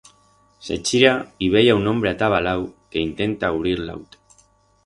Se chira y vei a un hombre atabalau que intenta ubrir l'auto.